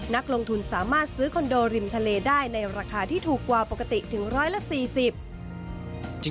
นักลงทุนสามารถซื้อคอนโดริมทะเลได้ในราคาที่ถูกกว่าปกติถึง๑๔๐